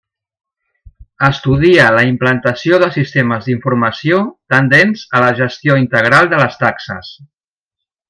Estudia la implantació de sistemes d'informació tendents a la gestió integral de les taxes.